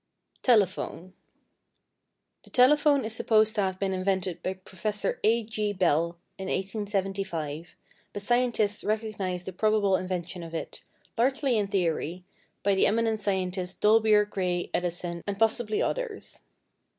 =Telephone.= The telephone is supposed to have been invented by Professor A. G. Bell, in 1875, but scientists recognize the probable invention of it, largely in theory, by the eminent scientists Dolbear, Gray, Edison, and possibly others.